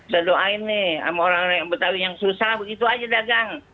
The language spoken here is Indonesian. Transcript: saya doain nih sama orang orang yang betawi yang susah begitu aja dagang